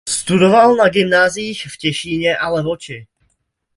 Studoval na gymnáziích v Těšíně a Levoči.